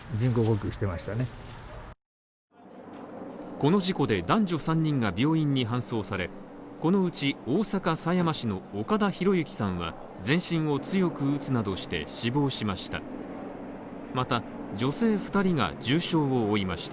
この事故で男女３人が病院に搬送され、このうち大阪狭山市の岡田博行さんは全身を強く打つなどして死亡しました。